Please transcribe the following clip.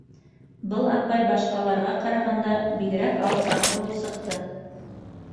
Был апай башҡаларға ҡарағанда бигерәк алсаҡ булып сыҡты.